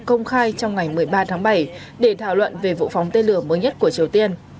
công khai trong ngày một mươi ba tháng bảy để thảo luận về vụ phóng tên lửa mới nhất của triều tiên